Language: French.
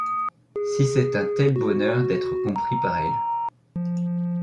Si c'est un tel bonheur d'être compris par elle